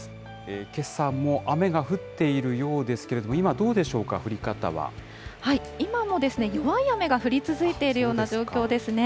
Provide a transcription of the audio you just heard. けさも雨が降っているようですけれども、今、どうでしょうか、降今も弱い雨が降り続いているような状況ですね。